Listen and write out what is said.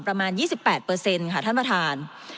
ประมาณ๒๘เปอร์เซ็นต์ค่ะท่านประธาน